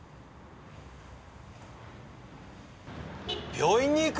病院に行く！？